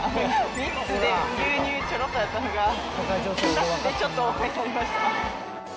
３つで牛乳ちょろっとやったのが、２つでちょっと多めになりました。